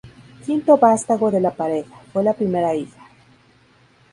Quinto vástago de la pareja, fue la primera hija.